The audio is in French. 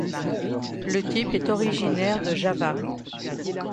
Le type est originaire de Java.